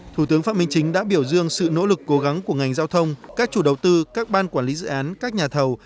thủ tướng phạm minh chính đã biểu dương sự nỗ lực cố gắng của ngành giao thông các chủ đầu tư các ban quản lý dự án các nhà thầu